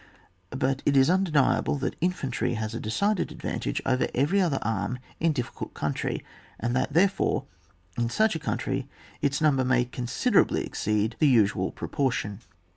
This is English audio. But it is undeniable that infantry has a decided advantage over every other arm in difficult country, and that, there fore, in such a country its number may considerably exceed the usual propor tion.